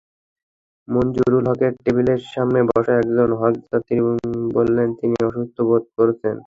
মঞ্জুরুল হকের টেবিলের সামনে বসা একজন হজযাত্রী বললেন, তিনি অসুস্থ বোধ করছেন।